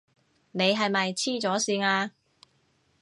你係咪痴咗線呀？